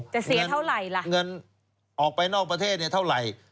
เสียเท่าไหร่ล่ะเงินออกไปนอกประเทศเนี่ยเท่าไหร่